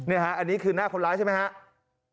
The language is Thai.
อันนี้คือหน้าคนร้ายใช่ไหมครับ